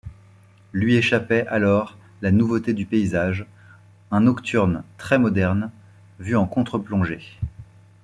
Lui échappait alors la nouveauté du paysage, un nocturne très moderne, vu en contre-plongée.